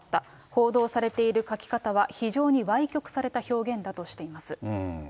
報道されている書き方は非常にわい曲された表現だとしています。